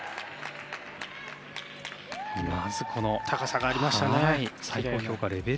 高さがありましたね。